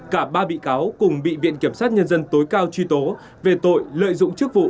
cả ba bị cáo cùng bị viện kiểm sát nhân dân tối cao truy tố về tội lợi dụng chức vụ